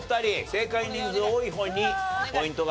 正解人数多い方にポイントが入ります。